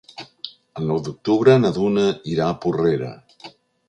El nou d'octubre na Duna irà a Porrera.